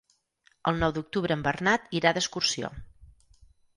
El nou d'octubre en Bernat irà d'excursió.